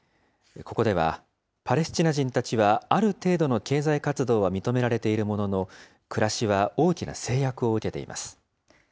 ここでは、パレスチナ人たちはある程度の経済活動は認められているものの、暮らしは大きな制約を受けています。